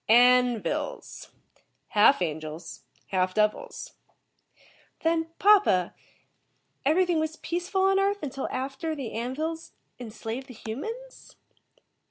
"'An vils'. Half angels, half devils." "Then, papa, everything was peaceful on Earth after the An vils enslaved the humans?"